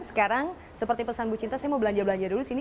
sekarang seperti pesan bu cinta saya mau belanja belanja dulu sini